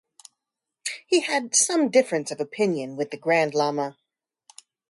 He had some difference of opinion with the Grand Lama.